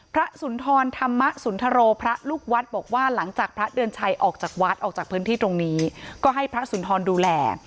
สุนทรธรรมสุนทโรพระลูกวัดบอกว่าหลังจากพระเดือนชัยออกจากวัดออกจากพื้นที่ตรงนี้ก็ให้พระสุนทรดูแล